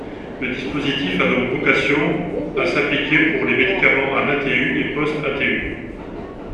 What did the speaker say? Le dispositif a donc vocation à s’appliquer pour les médicaments en ATU et post-ATU.